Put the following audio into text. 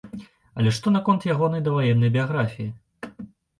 Але што наконт ягонай даваеннай біяграфіі?